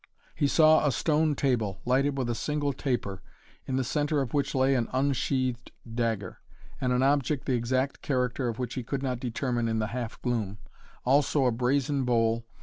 He saw a stone table, lighted with a single taper, in the centre of which lay an unsheathed dagger, and an object the exact character of which he could not determine in the half gloom, also a brazen bowl.